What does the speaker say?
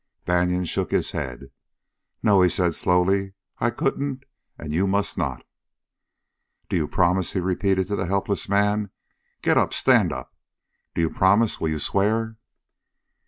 Banion shook his head. "No," he said slowly, "I couldn't, and you must not." "Do you promise?" he repeated to the helpless man. "Get up stand up! Do you promise will you swear?"